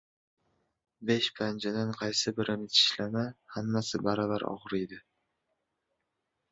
• Besh panjadan qaysi birini tishlama ― hammasi baravar og‘riydi.